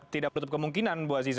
tidak menutup kemungkinan bu aziza